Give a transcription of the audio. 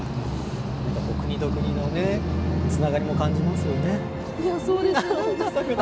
国と国のつながりも感じますよね。